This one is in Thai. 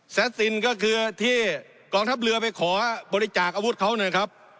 สตินก็คือที่กองทัพเรือไปขอบริจาคอาวุธเขานะครับ